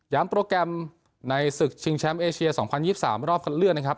โปรแกรมในศึกชิงแชมป์เอเชีย๒๐๒๓รอบคัดเลือกนะครับ